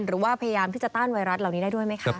หรือว่าพยายามที่จะต้านไวรัสเหล่านี้ได้ด้วยไหมคะ